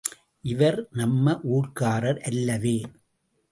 இவர் நம்ம ஊர்க்காரர் அல்லவே!